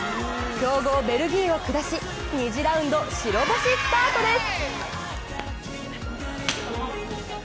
強豪・ベルギーを下し、２次ラウンド白星スタートです。